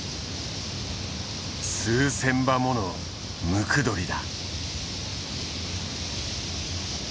数千羽ものムクドリだ。